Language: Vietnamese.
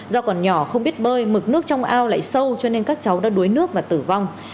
do còn nhỏ không biết bơi mực nước trong ao lại sâu cho nên các cháu đã đuối nước và tử vong